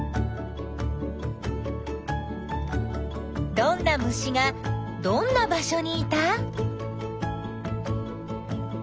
どんな虫がどんな場所にいた？